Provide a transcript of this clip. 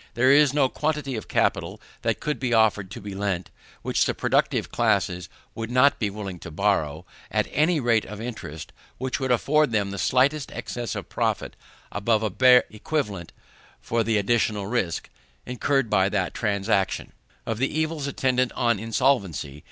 There is no quantity of capital that could be offered to be lent, which the productive classes would not be willing to borrow, at any rate of interest which would afford them the slightest excess of profit above a bare equivalent for the additional risk, incurred by that transaction, of the evils attendant on insolvency.